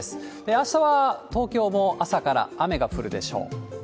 あしたは東京も朝から雨が降るでしょう。